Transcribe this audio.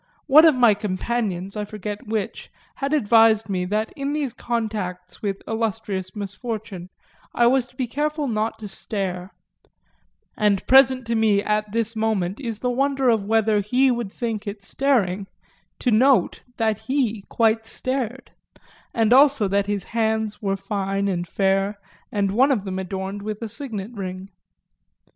One of my companions, I forget which, had advised me that in these contacts with illustrious misfortune I was to be careful not to stare; and present to me at this moment is the wonder of whether he would think it staring to note that he quite stared, and also that his hands were fine and fair and one of them adorned with a signet ring.